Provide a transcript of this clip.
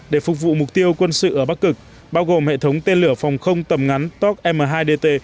để phục vụ mục tiêu quân sự ở bắc cực bao gồm hệ thống tên lửa phòng không tầm ngắn top m hai dt